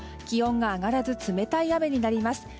気温が上がらず冷たい雨になります。